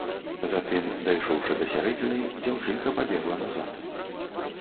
Затым, дайшоўшы да сярэдзіны, дзяўчынка пабегла назад.